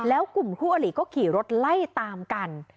แล้วกลุ่มคู่อลิก็ขี่รถไล่ตามกัน